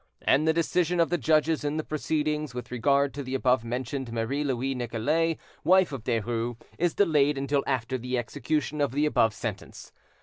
And the decision of the judges in the proceedings with regard to the above mentioned Marie Louise Nicolais, wife of Derues, is delayed until after the execution of the above sentence.